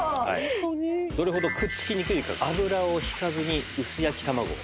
どれほどくっつきにくいか油を引かずに薄焼き卵を。